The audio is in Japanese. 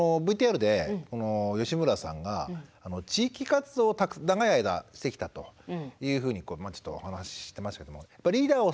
このＶＴＲで吉村さんが地域活動を長い間してきたというふうにちょっとお話ししてましたけども。